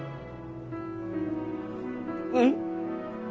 うん。